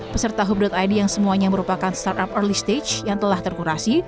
peserta hub id yang semuanya merupakan startup early stage yang telah terkurasi